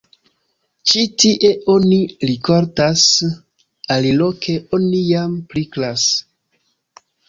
Ĉi tie oni rikoltas, aliloke oni jam priklas.